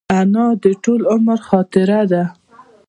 انا د ټول عمر خاطره ده